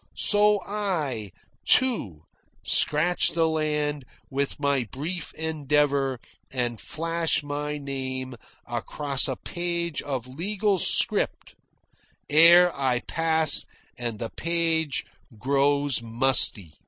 So I, too, scratch the land with my brief endeavour and flash my name across a page of legal script ere I pass and the page grows musty.